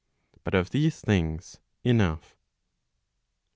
But of these things enough. 43.